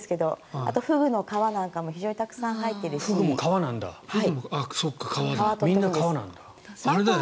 あとはフグの皮なんかもたくさん入っているし。